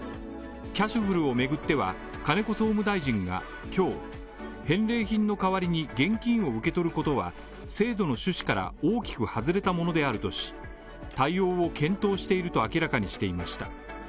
キャシュふるを巡っては金子総務大臣が今日、返礼品の代わりに現金を受け取ることは制度の趣旨から大きく外れたものであるとし対応を検討していると明らかにしていました。